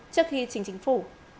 trước khi chính chính phủ